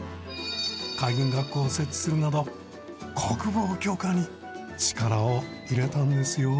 海軍学校を設置するなど国防強化に力を入れたんですよ。